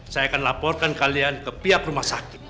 saya akan laporkan kalian ke pihak rumah sakit